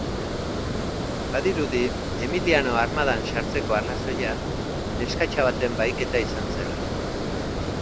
Badirudi Emiliano armadan sartzeko arrazoia neskatxa baten bahiketan izan zela.